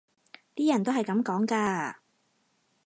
啲人都係噉講㗎